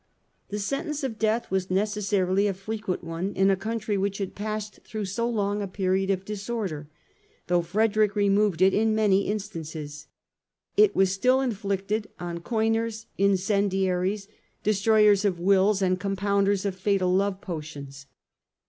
The sentence of death was necessarily a frequent one in a country which had passed through so long a period of disorder, though Frederick removed it in many in stances. It was still inflicted on coiners, incendiaries, destroyers of will and compounders of fatal love potions.